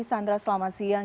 sandra selamat siang